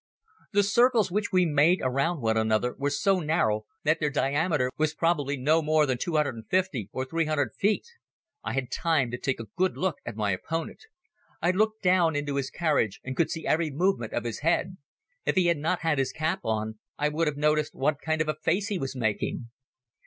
The circles which we made around one another were so narrow that their diameter was probably no more than 250 or 300 feet. I had time to take a good look at my opponent. I looked down into his carriage and could see every movement of his head. If he had not had his cap on I would have noticed what kind of a face he was making.